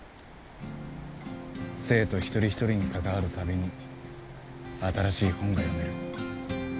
生徒一人一人に関わる度に新しい本が読める